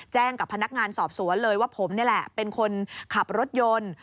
กับพนักงานสอบสวนเลยว่าผมนี่แหละเป็นคนขับรถยนต์